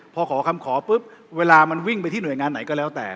พอขอคำขอปุ๊บเวลามันวิ่งไปที่หน่วยงานไหนก็แล้วแต่